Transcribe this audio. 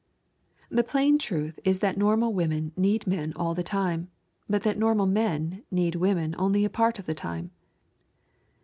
The plain truth is that normal women need men all the time, but that normal men need women only a part of the time.